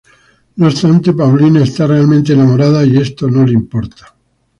No obstante, Paulina está realmente enamorada y esto no le importa.